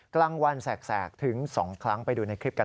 กลางวันแสกถึง๒ครั้งไปดูในคลิปกัน